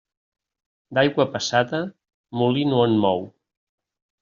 D'aigua passada, molí no en mou.